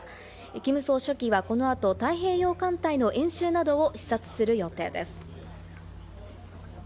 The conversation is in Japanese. キム総書記はこの後、太平洋艦隊の演習などを視察する予定です。